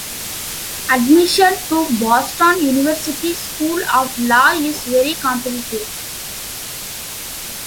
Admission to Boston University School of Law is very competitive.